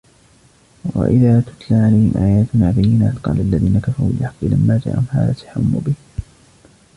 وإذا تتلى عليهم آياتنا بينات قال الذين كفروا للحق لما جاءهم هذا سحر مبين